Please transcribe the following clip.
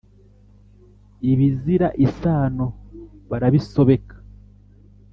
Ibizira isano barabisobeka